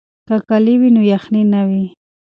که کالي وي نو یخنۍ نه وي.